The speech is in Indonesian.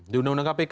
di undang undang kpk